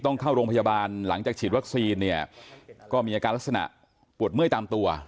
ต้องเข้าโรงพยาบาลหลังจากฉีดวัคซีนเนี่ยก็มีอาการลักษณะปวดเมื่อยตามตัว